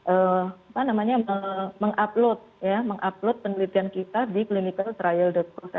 apa namanya mengupload penelitian kita di clinical trial dogo